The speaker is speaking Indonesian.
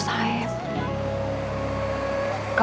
saya pun mengakibatkan